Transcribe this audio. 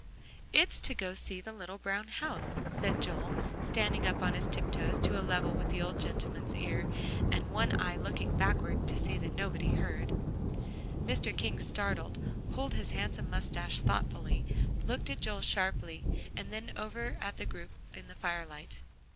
"It's to go and see the little brown house," said Joel, standing up on his tiptoes to a level with the old gentleman's ear, and one eye looking backward to see that nobody heard. Mr. King started, pulled his handsome moustache thoughtfully, looked at Joel sharply, and then over at the group in the firelight.